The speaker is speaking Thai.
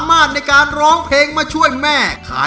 น้องไมโครโฟนจากทีมมังกรจิ๋วเจ้าพญา